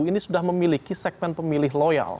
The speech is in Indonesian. ini sudah memiliki segmen pemilih loyal